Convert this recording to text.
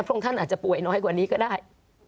องค์ท่านอาจจะป่วยน้อยกว่านี้ก็ได้